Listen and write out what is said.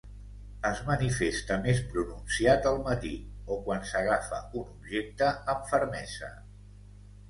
Es manifesta més pronunciat al matí, o quan s'agafa un objecte amb fermesa.